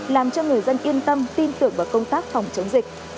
làm cho người dân yên tâm tin tưởng vào công tác phòng chống dịch